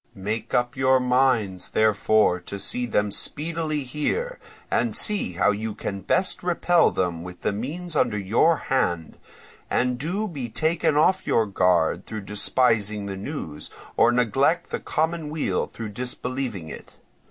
Make up your minds, therefore, to see them speedily here, and see how you can best repel them with the means under your hand, and do be taken off your guard through despising the news, or neglect the common weal through disbelieving it.